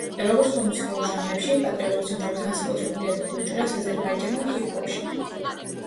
როგორც სხვა მუსიკალურ ჟანრებში, პატრიოტულ სიმღერებს განსაკუთრებული ადგილი უჭირავს აზერბაიჯანულ ჰიპ-ჰოპში.